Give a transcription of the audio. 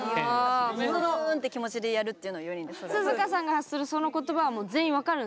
ブーンって気持ちでやるっていうのを４人で。